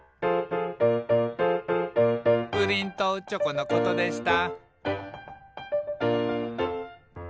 「プリンとチョコのことでした」